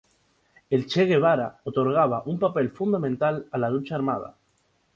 El Che Guevara otorgaba un papel fundamental a la lucha armada.